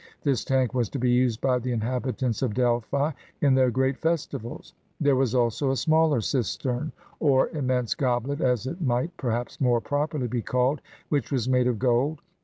This tank was to be used by the inhabitants of Delphi in their great festivals. There was also a smaller cistern, or immense goblet, as it might, perhaps, more properly be called, which was made of gold.